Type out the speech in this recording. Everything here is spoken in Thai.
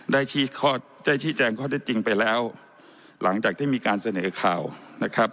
ได้ชี้แจงข้อเท็จจริงไปแล้วหลังจากที่มีการเสนอข่าวนะครับ